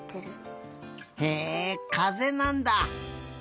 へえかぜなんだ。